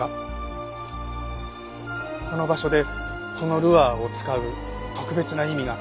この場所でこのルアーを使う特別な意味が。